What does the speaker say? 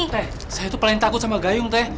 teh saya itu paling takut sama gayung teh